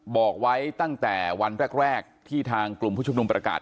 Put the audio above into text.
บอกไว้ตั้งแต่วันแรกที่ทางกลุ่มผู้ชุมนุมประกาศ